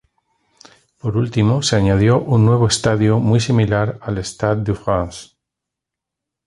Por último, se añadió un nuevo estadio muy similar al Stade de France.